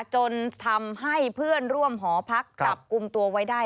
จนทำให้เพื่อนร่วมหอพักจับกลุ่มตัวไว้ได้